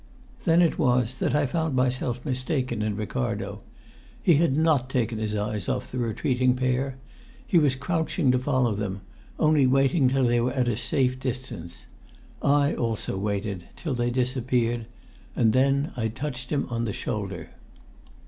Then it was that I found myself mistaken in Ricardo. He had not taken his eyes off the retreating pair. He was crouching to follow them, only waiting till they were at a safe distance. I also waited till they disappeared then I touched him on the shoulder.